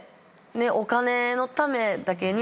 お金のためだけに。